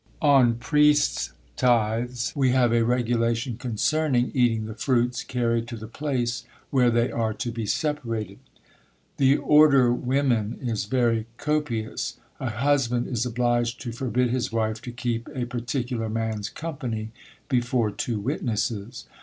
On priests' tithes, we have a regulation concerning eating the fruits carried to the place where they are to be separated. The order women is very copious. A husband is obliged to forbid his wife to keep a particular man's company before two witnesses.